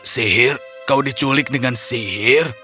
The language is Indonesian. sihir kau diculik dengan sihir